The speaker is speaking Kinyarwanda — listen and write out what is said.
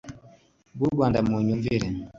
bw u rwanda mu myumvire